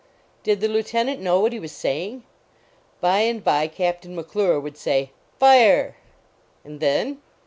Did the lieutenant know what he was saying? By and by Captain McClure would say: " Fire!" And then?